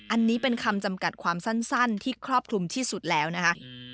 อันนี้เป็นคำจำกัดความสั้นที่ครอบคลุมที่สุดแล้วนะคะ